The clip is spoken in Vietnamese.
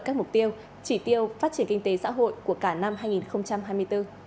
các mục tiêu chỉ tiêu phát triển kinh tế xã hội của cả năm hai nghìn hai mươi bốn